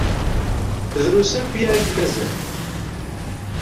Drus akya i d-mazal.